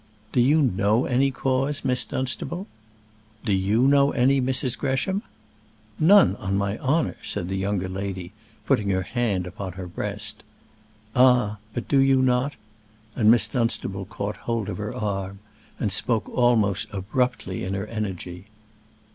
Do you know any cause, Miss Dunstable?" "Do you know any, Mrs. Gresham?" "None, on my honour!" said the younger lady, putting her hand upon her breast. "Ah! but do you not?" and Miss Dunstable caught hold of her arm, and spoke almost abruptly in her energy.